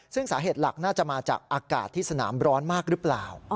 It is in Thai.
ซึ่งสาเหตุหลักน่าจะมาจากอากาศที่สนามร้อนมากหรือเปล่า